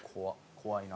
怖いな。